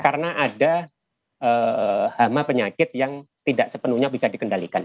karena ada hama penyakit yang tidak sepenuhnya bisa dikendalikan